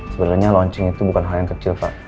sebenarnya launching itu bukan hal yang kecil pak